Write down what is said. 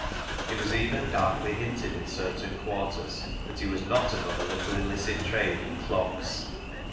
It was even darkly hinted in certain quarters that he was not above a little illicit trade in clogs.